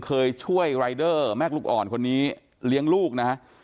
เคยช่วยรายเดอร์แม่ลูกอ่อนคนนี้เลี้ยงลูกนะ